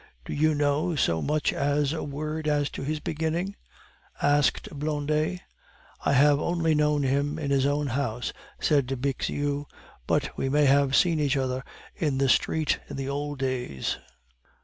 "Do you know so much as a word as to his beginnings?" asked Blondet. "I have only known him in his own house," said Bixiou, "but we may have seen each other in the street in the old days."